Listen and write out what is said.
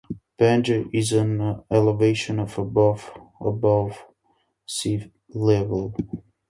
Benge is at an elevation of about above sea level.